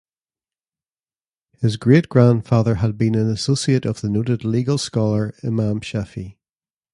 His great grandfather had been an associate of the noted legal scholar Imam Shafi.